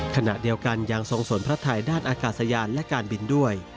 ขณะเดียวกันยังทรงสนพระไทยด้านอากาศยานและการบินด้วย